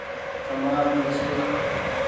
ڪمرآ ڀي ڇي ۔